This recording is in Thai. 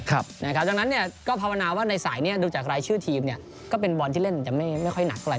จากนั้นเนี่ยก็พาวนาว่าในสายเนี่ยดูจากรายชื่อทีมเนี่ยก็เป็นบอลที่เล่นจะไม่ค่อยหนักเท่าไหร่